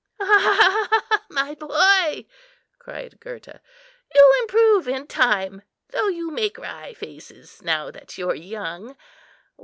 "Ha, ha, my boy!" cried Gurta; "you'll improve in time, though you make wry faces, now that you're young.